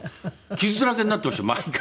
傷だらけになってました毎回。